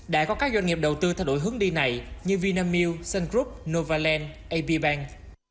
đã có các doanh nghiệp đầu tư thay đổi hướng đi này như vinamilk sun group novaland ap bank